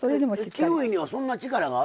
キウイにはそんな力がある？